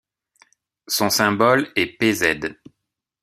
Son symbole est pz.